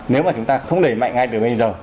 nếu mà chúng ta không đẩy mạnh ngay từ bây giờ